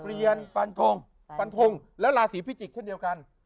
เปลี่ยนปันทงและลาศีพิจิกเช่นเดียวกัน